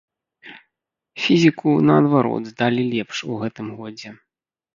Фізіку, наадварот, здалі лепш у гэтым годзе.